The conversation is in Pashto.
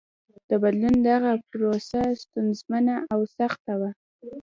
د بدلون دغه پروسه ستونزمنه او سخته وه.